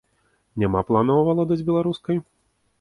Няма планаў авалодаць беларускай?